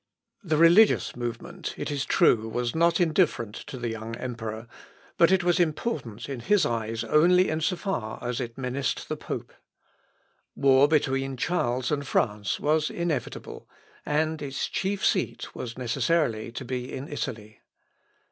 The religious movement, it is true, was not indifferent to the young emperor; but it was important in his eyes only in so far as it menaced the pope. War between Charles and France was inevitable, and its chief seat was necessarily to be in Italy.